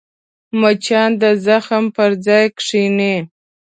مچان د زخم پر ځای کښېني